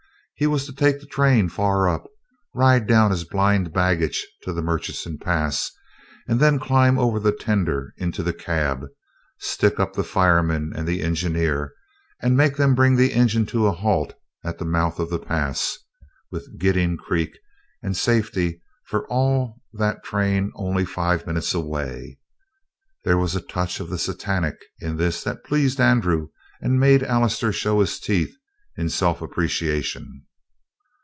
He was to take the train far up, ride down as blind baggage to the Murchison Pass, and then climb over the tender into the cab, stick up the fireman and the engineer, and make them bring the engine to a halt at the mouth of the pass, with Gidding Creek and safety for all that train only five minutes away. There was a touch of the Satanic in this that pleased Andrew and made Allister show his teeth in self appreciation.